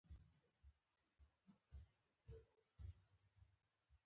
د ماشو لپاره څو ځله اوبه ورکول پکار دي؟